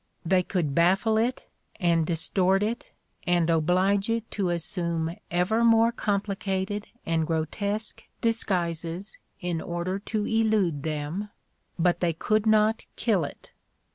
They could baffle it and distort it and oblige it to assume ever more complicated and grotesque dis guises in order to elude them, but they could not kill it.